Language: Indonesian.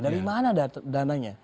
dari mana dananya